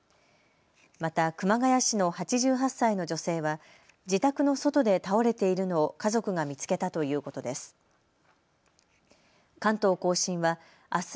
また熊谷市の８８歳の女性は自宅の外で倒れているのを家族が見つけたということです。